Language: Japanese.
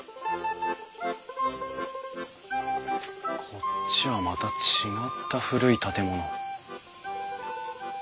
こっちはまた違った古い建物。